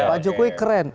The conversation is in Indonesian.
pak jokowi keren